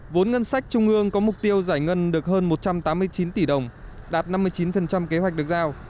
vốn ngân sách trung ương có mục tiêu giải ngân được hơn một trăm tám mươi chín tỷ đồng đạt năm mươi chín kế hoạch được giao